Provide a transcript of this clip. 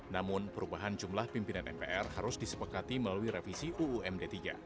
namun perubahan jumlah pimpinan mpr harus disepakati melalui revisi uumd tiga